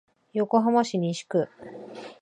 横浜市西区